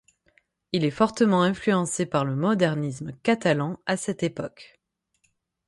Il est fortement influencé par le modernisme catalan à cette époque.